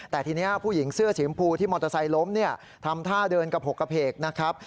แต่ทีนี้ผู้หญิงเสื้อสีมพูที่มอเตอร์ไซค์ล้มเนี่ยทำท่าเดินกระพกกระเพกนะครับ